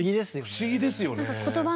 不思議ですよね。